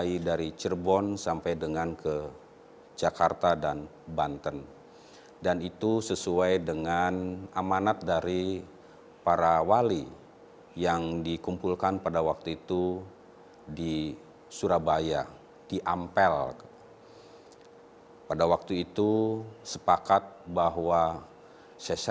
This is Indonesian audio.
ibarat cermin topeng cirebon memberi pengingat pada lagu hidup manusia agar terus mencari jati diri hingga usia senja